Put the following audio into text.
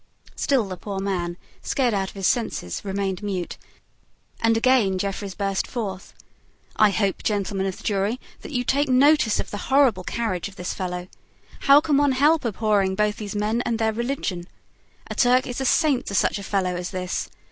Still the poor man, scared out of his senses, remained mute; and again Jeffreys burst forth. "I hope, gentlemen of the jury, that you take notice of the horrible carriage of this fellow. How can one help abhorring both these men and their religion? A Turk is a saint to such a fellow as this.